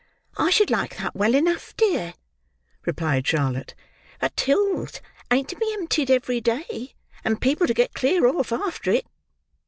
"I should like that well enough, dear," replied Charlotte; "but tills ain't to be emptied every day, and people to get clear off after it."